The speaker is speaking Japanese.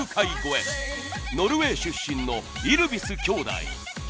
ノルウェー出身のイルヴィス兄弟。